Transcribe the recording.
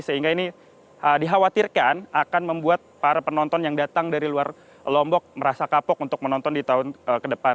sehingga ini dikhawatirkan akan membuat para penonton yang datang dari luar lombok merasa kapok untuk menonton di tahun ke depan